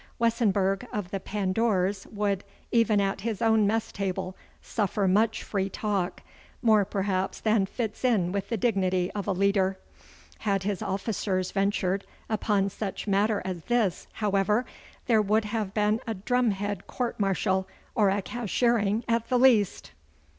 Wessenburg of the Pandours would, even at his own mess table, suffer much free talk more perhaps than fits in with the dignity of a leader. Had his officers ventured upon such matter as this, however, there would have been a drum head court martial, or a cashiering at the least.